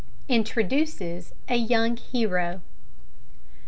INTRODUCES A YOUNG HERO.